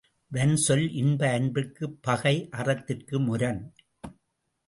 வன்சொல் இன்ப அன்பிற்குப் பகை அறத்திற்கு முரண்.